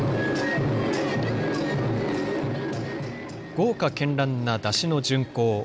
豪華けんらんな山車の巡行。